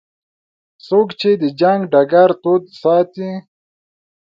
څوک چې د جنګ ډګر تود ساتي.